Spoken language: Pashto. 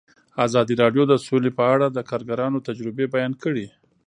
ازادي راډیو د سوله په اړه د کارګرانو تجربې بیان کړي.